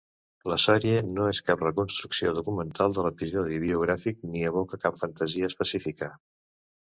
La sèrie no és cap reconstrucció documental de l'episodi biogràfic ni evoca cap fantasia específica.